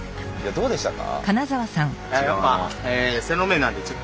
どうでしたか？